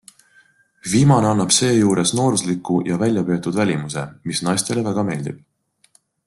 Viimane annab seejuures noorusliku ja väljapeetud välimuse, mis naistele väga meeldib.